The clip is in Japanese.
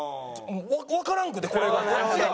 わからんくてこれが。どっちが。